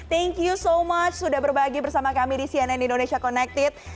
thank you so much sudah berbagi bersama kami di cnn indonesia connected